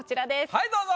はいどうぞ。